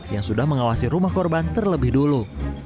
yang sudah mengawasi rumah korban terlebih dulu